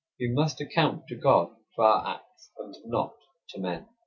We must account to God for our acts, and not to men."